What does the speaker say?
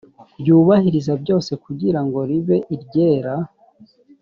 ryubahiriza byose kugira ngo ribe iryera